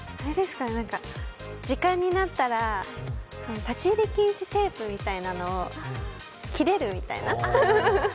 時間になったら立入禁止テープみたいなのを切れるみたいな？